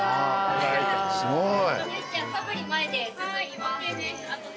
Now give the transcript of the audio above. すごい。